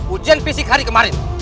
ujian fisik hari kemarin